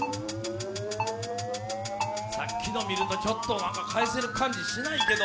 さっきの見ると、返せる感じしないけど。